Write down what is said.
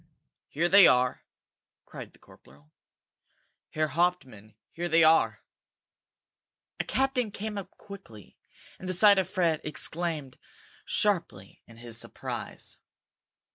"Here they are!" cried the corporal. "Herr Hauptmann, here they are!" A captain came up quickly, and at the sight of Fred exclaimed sharply in his surprise.